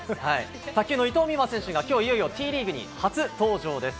卓球の伊藤美誠選手がきょう、いよいよＴリーグに初登場です。